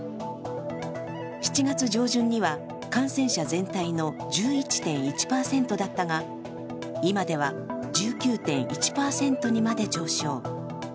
７月上旬には感染者全体の１１．１％だったが今では１９．１％にまで上昇。